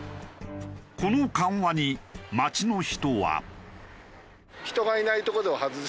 この緩和に街の人は。